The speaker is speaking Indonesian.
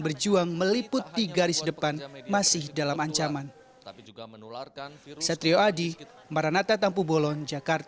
berjuang meliputi garis depan masih dalam ancaman tapi juga menularkan setri adi maranatha tampu bolon